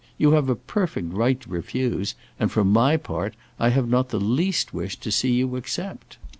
You have a perfect right to refuse, and, for my part, I have not the least wish to see you accept."